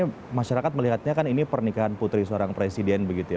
karena masyarakat melihatnya kan ini pernikahan putri seorang presiden begitu ya